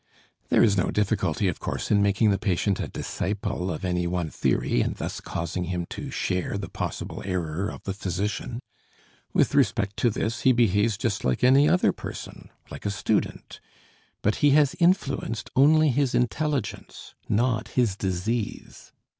There is no difficulty, of course, in making the patient a disciple of any one theory, and thus causing him to share the possible error of the physician. With respect to this he behaves just like any other person, like a student, but he has influenced only his intelligence, not his disease.